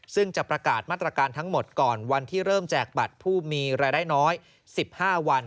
ซึ่งจะประกาศมาตรการทั้งหมดก่อนวันที่เริ่มแจกบัตรผู้มีรายได้น้อย๑๕วัน